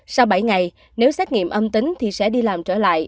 sau bảy ngày nếu xét nghiệm âm tính thì sẽ đi làm trở lại